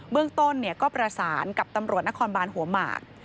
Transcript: เรื่องต้นก็ประสานกับตำรวจนครบานหัวหมาก